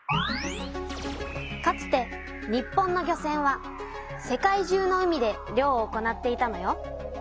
かつて日本の漁船は世界中の海で漁を行っていたのよ。